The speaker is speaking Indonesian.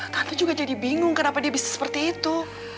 kakak juga jadi bingung kenapa dia bisa seperti itu